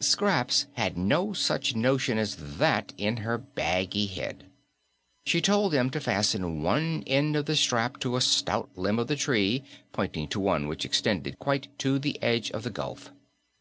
Scraps had no such notion as that in her baggy head. She told them to fasten one end of the strap to a stout limb of the tree, pointing to one which extended quite to the edge of the gulf.